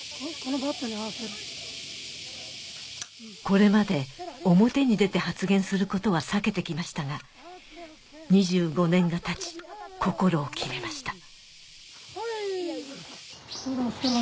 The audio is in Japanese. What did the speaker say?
これまで表に出て発言することは避けて来ましたが２５年がたち心を決めました